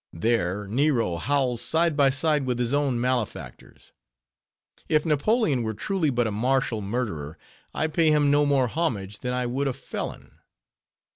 There, Nero howls side by side with his own malefactors. If Napoleon were truly but a martial murderer, I pay him no more homage than I would a felon.